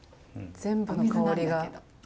全部の香りが。